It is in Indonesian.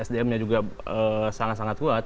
sdmnya juga sangat sangat kuat